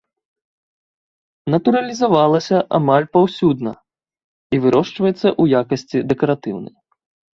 Натуралізавалася амаль паўсюдна і вырошчваецца ў якасці дэкаратыўнай.